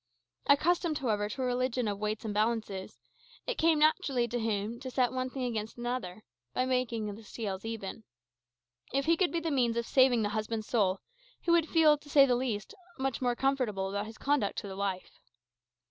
Accustomed, however, to a religion of weights and balances, it came naturally to him to set one thing against another, by way of making the scales even. If he could be the means of saving the husband's soul, he would feel, to say the least, much more comfortable about his conduct to the wife.